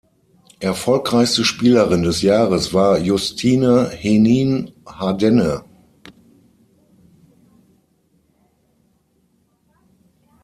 Erfolgreichste Spielerin des Jahres war Justine Henin-Hardenne.